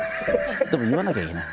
でも言わなきゃいけない。